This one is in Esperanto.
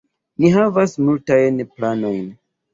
Ni havas multajn planojn.